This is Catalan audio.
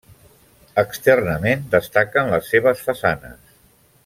Externament destaquen les seves façanes.